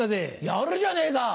やるじゃねえか。